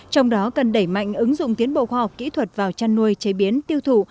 trong đó cần đẩy mạnh ứng dụng tiến bộ khoa học kỹ thuật vào chăn nuôi chế biến tiêu thụ